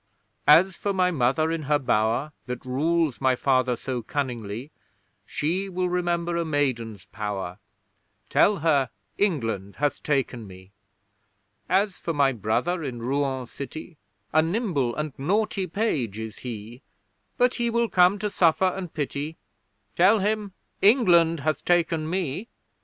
As for my Mother in her bower, That rules my Father so cunningly; She will remember a maiden's power Tell her England hath taken me! As for my Brother in Rouen city, A nimble and naughty page is he; But he will come to suffer and pity Tell him England hath taken me!